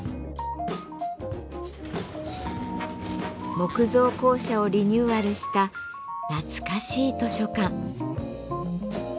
木造校舎をリニューアルした懐かしい図書館。